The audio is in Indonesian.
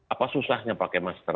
apa susahnya pakai masker